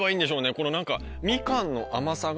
この何か。